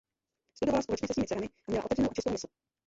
Studovala společně se svými dcerami a měla otevřenou a čistou mysl.